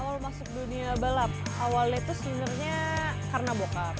awal masuk dunia balap awalnya itu sebenernya karena bokap